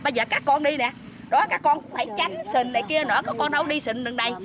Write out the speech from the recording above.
bây giờ các con đi nè các con phải tránh xình này kia nữa các con đâu đi xình đằng đây